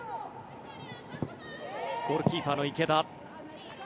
ゴールキーパーの池田。